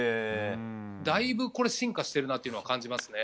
だいぶ進化してるなというのは感じますね。